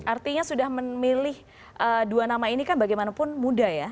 artinya sudah memilih dua nama ini kan bagaimanapun muda ya